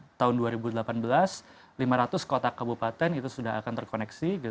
jadi tahun dua ribu delapan belas lima ratus kota kabupaten itu sudah akan terkoneksi gitu